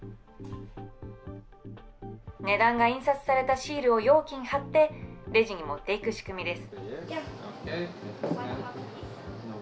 値段が印刷されたシールを容器に貼って、レジに持っていく仕組みです。